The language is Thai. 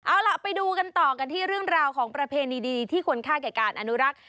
เอาล่ะไปดูกันต่อกันที่เรื่องราวของประเพณีดีที่ควรค่าแก่การอนุรักษ์